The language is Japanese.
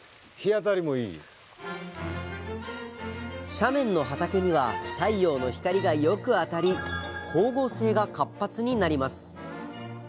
斜面の畑には太陽の光がよく当たり光合成が活発になります。